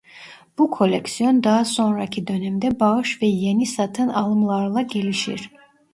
Bu koleksiyon daha sonraki dönemde bağış ve yeni satın alımlarla gelişir.